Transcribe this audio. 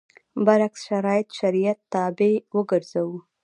برعکس شرایط شریعت تابع وګرځوو.